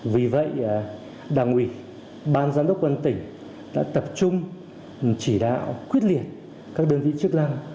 vì vậy đảng ủy ban giám đốc quân tỉnh đã tập trung chỉ đạo quyết liệt các đơn vị chức năng